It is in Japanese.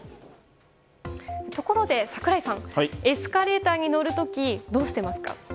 ところで櫻井さんエスカレーターに乗る時どうしていますか？